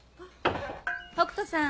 北斗さん